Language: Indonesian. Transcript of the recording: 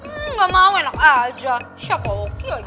hmm gak mau enak aja siapa oki lagi